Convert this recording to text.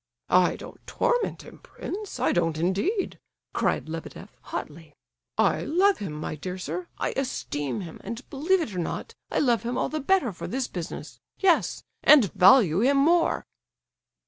"I don't torment him, prince, I don't indeed!" cried Lebedeff, hotly. "I love him, my dear sir, I esteem him; and believe it or not, I love him all the better for this business, yes—and value him more."